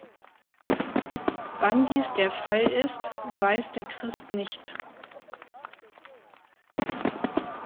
Wann dies der Fall ist, weiß der Christ nicht.